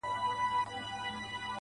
د خدای نور ته په سجده خريلی مخ دی,